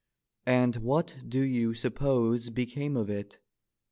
And what do you suppose became of it?